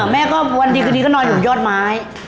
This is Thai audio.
แม่วันดีนอนอยู่ยอดไม้